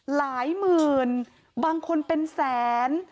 หลายหมื่นบางคนเป็นแสน